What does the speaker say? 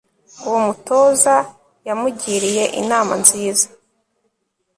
Uwo mutoza yamugiriye inama nziza